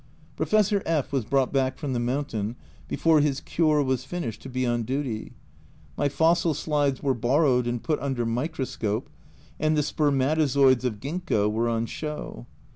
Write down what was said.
Professor F was brought back from the mountain before his cure was finished to be on duty ; my fossil slides were borrowed and put under microscope, and the spermatozoids of ginkgo were on show.